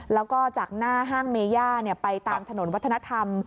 แล้วก็จากหน้าห้างเมย่าไปตามถนนวัฒนธรรม